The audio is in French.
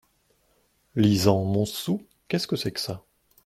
Lisant. "Monsou." Qu’est-ce que c’est que ça ?